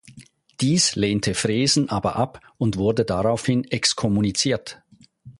Dies lehnte Fresen aber ab und wurde daraufhin exkommuniziert.